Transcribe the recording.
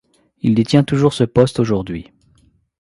Il détient toujours ce poste aujourd'hui.